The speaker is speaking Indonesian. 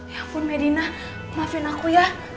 ya akun medina maafin aku ya